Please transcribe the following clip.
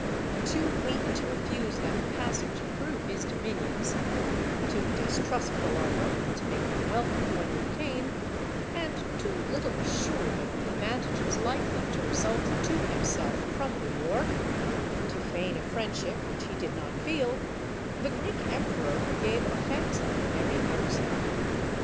Too weak to refuse them a passage through his dominions, too distrustful of them to make them welcome when they came, and too little assured of the advantages likely to result to himself from the war, to feign a friendship which he did not feel, the Greek emperor gave offence at the very outset.